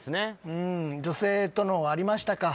うん女性とのありましたか？